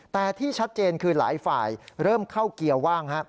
แต่ที่ชัดเจนคือหลายฝ่ายเริ่มเข้าเกียร์ว่าง